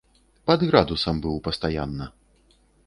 Пад градусам быў пастаянна.